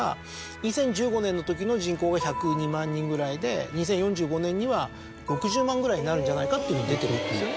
２０１５年のときの人口が１０２万人ぐらいで２０４５年には６０万ぐらいになるんじゃないかって出てるわけですよね。